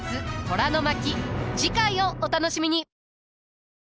次回をお楽しみに。